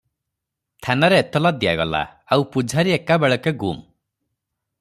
ଥାନାରେ ଏତଲା ଦିଆଗଲା, ଆଉ ପୂଝାରୀ ଏକା ବେଳକେ ଗୁମ୍!